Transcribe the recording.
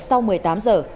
sau một mươi tám giờ